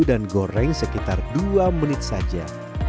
dan goreng sekitar dua menit saja